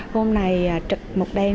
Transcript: hôm nay trực một đêm